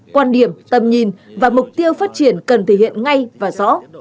quan điểm tầm nhìn và mục tiêu phát triển cần thể hiện ngay và rõ